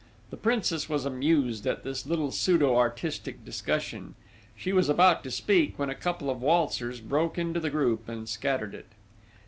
The Princess was amused at this little pseudo artistic discussion. She was about to speak when a couple of waltzers broke into the group and scattered it.